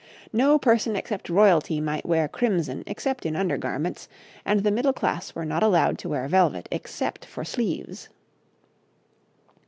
No person except royalty might wear crimson except in under garments, and the middle class were not allowed to wear velvet except for sleeves.